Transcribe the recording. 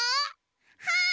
はい！